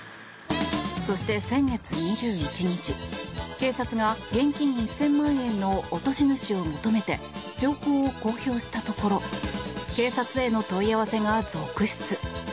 そして先月２１日警察が、現金１０００万円の落とし主を求めて情報を公表したところ警察への問い合わせが続出。